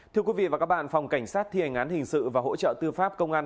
thưa quý vị và các bạn phòng cảnh sát thi hành án hình sự và hỗ trợ tư pháp công an